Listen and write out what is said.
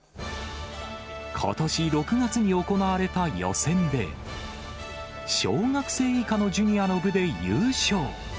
ことし６月に行われた予選で、小学生以下のジュニアの部で優勝。